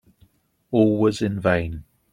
All was in vain.